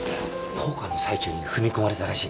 ポーカーの最中に踏み込まれたらしい。